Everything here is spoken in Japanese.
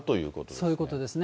そういうことですね。